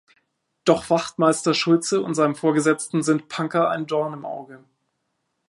Doch Wachtmeister Schulze und seinem Vorgesetzten sind Punker ein Dorn im Auge.